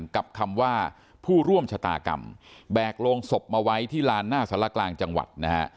กับคำว่าผู้ร่วมชะตากรรมแบกโรงศพมาไว้ที่ลานหน้าสารกลางจังหวัดนะฮะ